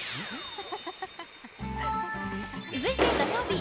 続いて土曜日。